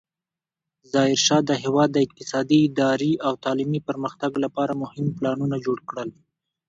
ظاهرشاه د هېواد د اقتصادي، اداري او تعلیمي پرمختګ لپاره مهم پلانونه جوړ کړل.